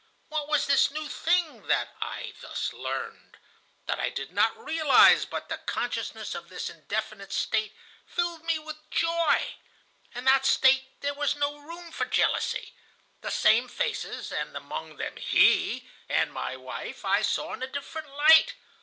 What was this new thing that I thus learned? That I did not realize, but the consciousness of this indefinite state filled me with joy. In that state there was no room for jealousy. The same faces, and among them he and my wife, I saw in a different light.